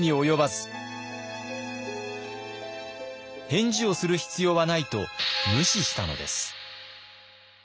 返事をする必要はないと無視したのです。